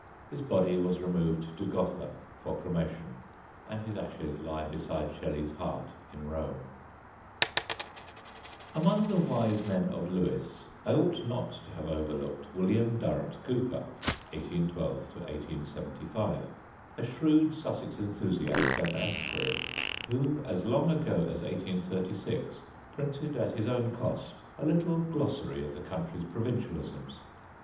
His body was removed to Gotha for cremation, and his ashes lie beside Shelley's heart in Rome. Among the wise men of Lewes I ought not to have overlooked William Durrant Cooper (1812 1875), a shrewd Sussex enthusiast and antiquary, who as long ago as 1836 printed at his own cost a little glossary of the county's provincialisms.